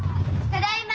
ただいま！